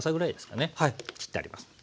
切ってあります。